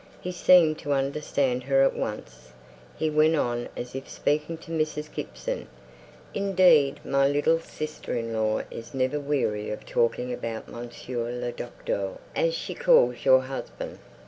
He seemed to understand her at once; he went on as if speaking to Mrs. Gibson: "Indeed, my little sister in law is never weary of talking about Monsieur le Docteur, as she calls your husband!"